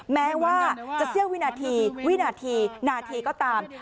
แม้ว่าจะเสี้ยววินาทีวินาทีนาทีก็ตาม